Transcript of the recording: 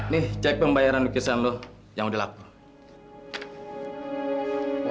nih cek pembayaran lukisan lu yang udah laku